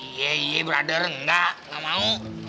iya iya brother enggak gak mau